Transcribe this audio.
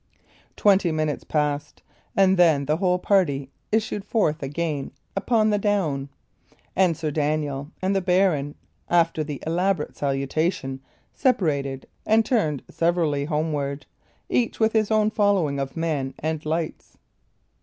Twenty minutes passed, and then the whole party issued forth again upon the down; and Sir Daniel and the baron, after an elaborate salutation, separated and turned severally homeward, each with his own following of men and lights.